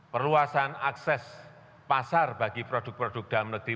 perluasan akses pasar bagi produk produk dalam negeri